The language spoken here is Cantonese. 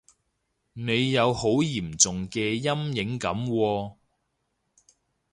你有好嚴重嘅陰影噉喎